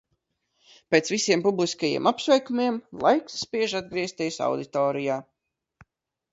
Pēc visiem publiskajiem apsveikumiem, laiks spiež atgriezties auditorijā.